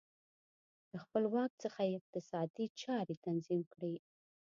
له خپل واک څخه یې اقتصادي چارې تنظیم کړې